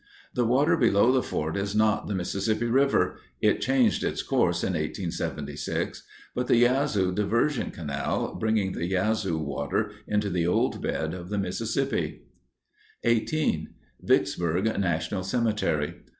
The water below the fort is not the Mississippi River—it changed its course in 1876—but the Yazoo Diversion Canal, bringing the Yazoo water into the old bed of the Mississippi. 18. VICKSBURG NATIONAL CEMETERY.